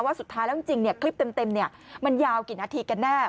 สุดท้ายแล้วจริงคลิปเต็มมันยาวกี่นาทีกันแน่